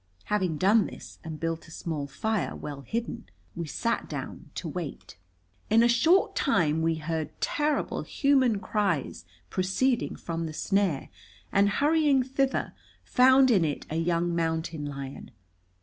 Having done this, and built a small fire, well hidden, we sat down to wait. In a short time we heard terrible human cries proceeding from the snare, and, hurrying thither, found in it a young mountain lion.